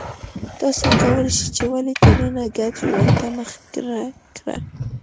تاسو کولای شئ چې ولې ټولنو ګډ ژوند ته مخه کړه